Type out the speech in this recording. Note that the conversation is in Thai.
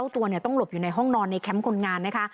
ตัวต้องหลบอยู่ในห้องนอนในแคมป์คนงานนะคะ